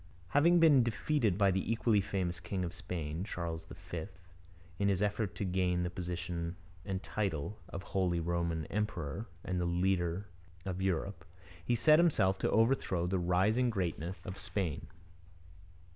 Having been defeated by the equally famous king of Spain, Charles V, in his effort to gain the position and title of Holy Roman Emperor and the leadership of Europe, he set himself to overthrow the rising greatness of Spain.